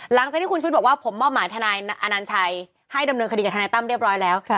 หลังจากที่คุณชุดบอกว่าผมมอบหมายทนายอนัญชัยให้ดำเนินคดีกับทนายตั้มเรียบร้อยแล้ว